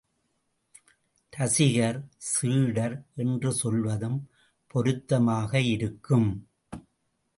ரசிகர், சீடர் என்று சொல்வதும் பொருத்தமாக இருக்கும்.